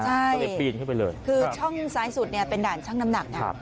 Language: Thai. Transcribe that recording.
ใช่ก็เลยปีนเข้าไปเลยคือช่องซ้ายสุดเนี่ยเป็นด่านช่างน้ำหนักนะ